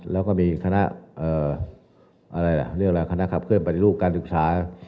แล้วก็มีคณะครับเคลื่อนปฏิรูปการศึกษา